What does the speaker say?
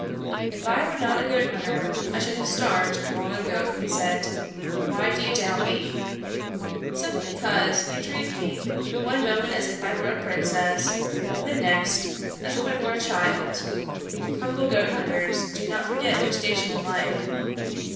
"If I were not a goat hunter I should have starved long ago," he said. "Why do you doubt me?" "Simply because you treat me one moment as if I were a princess, and the next as if I were a child. Humble goat hunters do not forget their station in life."